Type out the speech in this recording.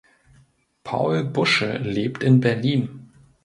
Paul Busche lebt in Berlin.